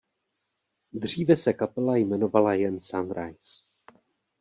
Dříve se kapela jmenovala jen „Sunrise“.